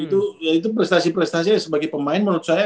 itu ya itu prestasi prestasi sebagai pemain menurut saya